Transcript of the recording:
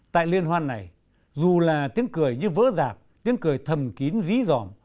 tại liên hoan này dù là tiếng cười như vỡ dạp tiếng cười thầm kín dí dòm